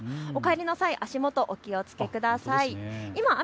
お帰りの際、足元お気をつけください。